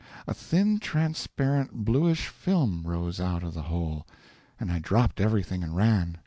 A thin, transparent bluish film rose out of the hole, and I dropped everything and ran!